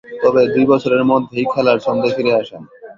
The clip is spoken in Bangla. তবে, দুই বছরের মধ্যেই খেলার ছন্দে ফিরে আসেন।